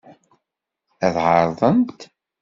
Ad ɛerḍent.